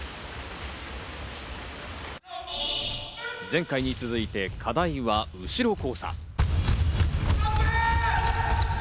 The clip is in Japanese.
前回に続いて課題は後ろ交差。